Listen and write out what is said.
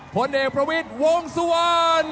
ผลเอกประวิทย์วงสุวรรณ